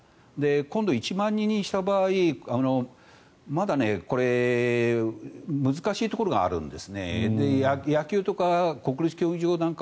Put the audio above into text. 今度、１万人にした場合まだ難しいところがあるんです。